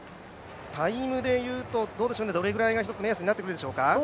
タイムで言うと、どれぐらいが目安になってくるでしょうか。